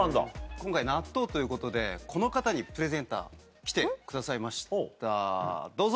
今回納豆ということでこの方にプレゼンター来てくださいましたどうぞ。